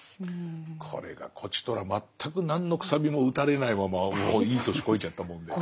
これがこちとら全く何の楔も打たれないままいい年こいちゃったもんで。